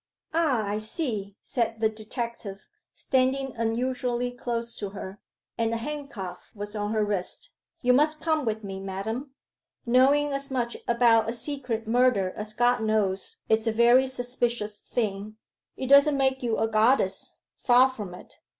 'Ah I see,' said the detective, standing unusually close to her: and a handcuff was on her wrist. 'You must come with me, madam. Knowing as much about a secret murder as God knows is a very suspicious thing: it doesn't make you a goddess far from it.